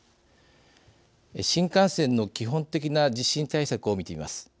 新幹線の基本的な地震対策を見てみます。